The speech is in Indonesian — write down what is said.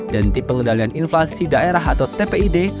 dan tim pengendalian inflasi daerah atau tpid